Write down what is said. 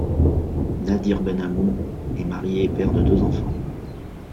Nadhir Ben Ammou est marié et père de deux enfants.